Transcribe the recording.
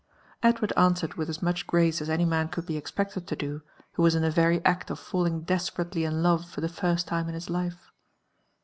Edward answered with as much grace as any man could be expected to'do who was in the very act of falling desperately in lenre for the first time in his life.